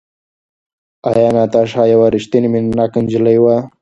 ایا ناتاشا یوه ریښتینې مینه ناکه نجلۍ وه؟